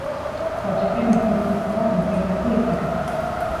WhatsApp-en mezu automatikoak konfiguratu ditzakezu.